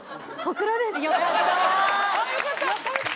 よかった！